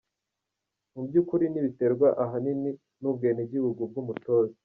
"Mu by’ukuri ntibiterwa ahanini n’ubwenegihugu bw’umutoza.